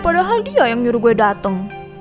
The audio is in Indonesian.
padahal dia yang nyuruh gue datang